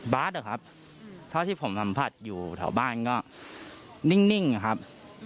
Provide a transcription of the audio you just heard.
บ๊าสเหรอครับเพราะที่ผมสัมผัสอยู่แถวบ้านก็นิ่งครับ